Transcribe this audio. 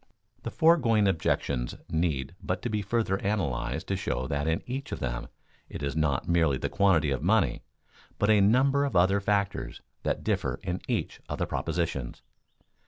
The foregoing objections need but to be further analyzed to show that in each of them it is not merely the quantity of money, but a number of other factors that differ in each of the propositions.